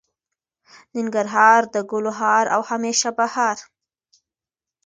ننګرهار د ګلو هار او همیشه بهار.